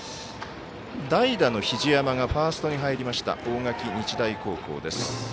代打、日出山がファーストに入りました大垣日大高校です。